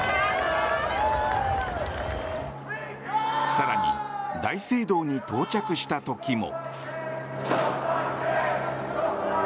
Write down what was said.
更に大聖堂に到着した時も。